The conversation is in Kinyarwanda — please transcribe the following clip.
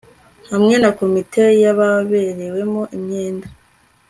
hamwe na komite y ababerewemo imyenda